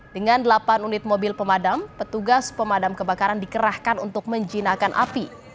dengan delapan unit mobil pemadam petugas pemadam kebakaran dikerahkan untuk menjinakkan api